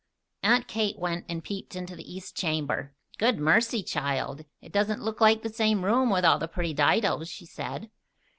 Aunt Kate went and peeped into the east chamber. "Good mercy, child! It doesn't look like the same room, with all the pretty didos," she said.